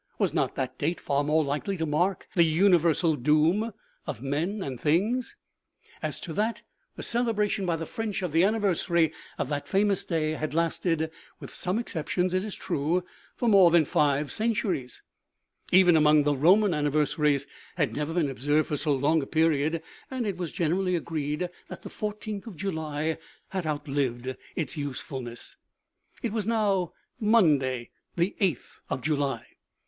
Was not that date far more likely to mark the univer sal doom of men and things ? As to that, the cele bration by the French of the anniversary of that fam ous day had lasted with some exceptions, it is true for more than five centuries : even among the Romans anniversaries had never been observed for so long a pe riod, and it was generally agreed that the izj th of July had outlived its usefulness. It was now Monday, the 8th of July.